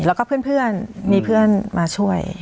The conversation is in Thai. แล้วก็เพื่อนมีเพื่อนมาช่วย